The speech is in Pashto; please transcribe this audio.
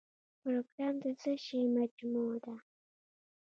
پروګرام د څه شی مجموعه ده؟